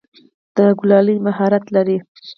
د کلالۍ مهارت لری؟